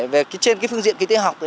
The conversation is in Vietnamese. về phương diện kinh tế học